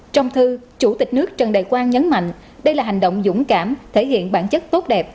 trong thư chủ tịch nước trần đại quang nhấn mạnh đây là hành động dũng cảm thể hiện bản chất tốt đẹp